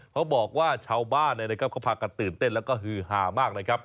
เขาบอกว่าชาวบ้านเขาพากันตื่นเต้นแล้วก็ฮือฮามากนะครับ